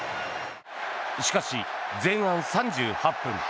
しかし、前半３８分。